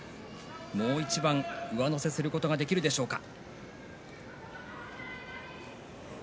もう一番上乗せすることができるでしょうか。